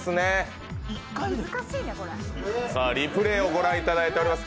リプレーをご覧いただいております。